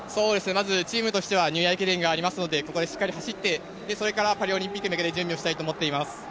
チームとしてはニューイヤー駅伝がありますので、ここでしっかり走ってそれからパリオリンピックに向けて準備をしたいと思っています。